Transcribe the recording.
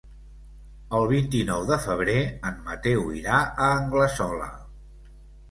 El vint-i-nou de febrer en Mateu irà a Anglesola.